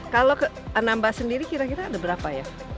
kalau ke anambas sendiri kira kira ada berapa ya